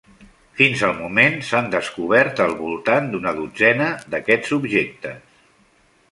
Fins al moment s'han descobert al voltant d'una dotzena d'aquests objectes.